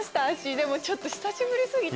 でもちょっと久しぶり過ぎて。